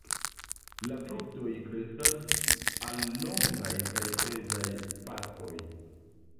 La fruktoj kreskas al longaj kaj pezaj faskoj.